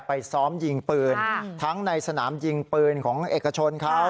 ซ้อมยิงปืนทั้งในสนามยิงปืนของเอกชนเขา